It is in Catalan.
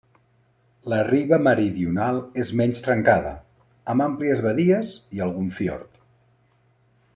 La riba meridional és menys trencada, amb àmplies badies i algun fiord.